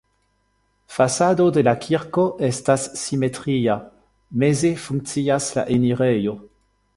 Fasado de la kirko estas simetria, meze funkcias la enirejo.